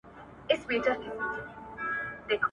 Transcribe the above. د شیطان لاره نه نیول کېږي.